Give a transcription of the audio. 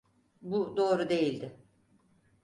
Bu doğru değildi.